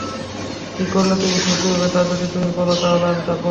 কি করলে তুমি খুশি হবে তা যদি তুমি বল তাহলে আমি তা করব।